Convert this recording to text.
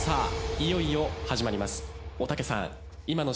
いよいよ始まります。